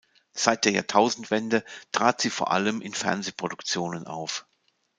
Seit der Jahrtausendwende trat sie vor allem in Fernsehproduktionen auf.